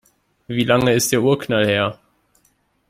Wie lange ist der Urknall her?